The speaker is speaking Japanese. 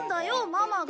ママが！